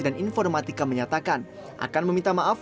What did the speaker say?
dan informatika menyatakan akan meminta maaf